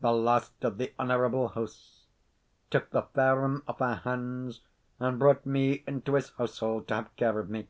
the last of the honourable house, took the farm aff our hands, and brought me into his household to have care of me.